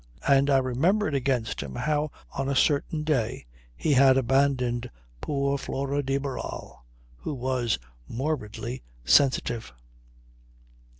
And I remembered against him how on a certain day he had abandoned poor Flora de Barral who was morbidly sensitive.